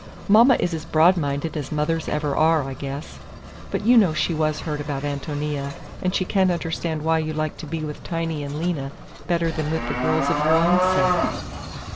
"Mama is as broad minded as mothers ever are, I guess. But you know she was hurt about Ántonia, and she can't understand why you like to be with Tiny and Lena better than with the girls of your own set."